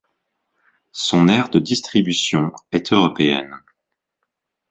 Son aire de distribution est européenne.